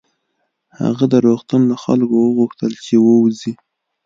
هغه د روغتون له خلکو وغوښتل چې ووځي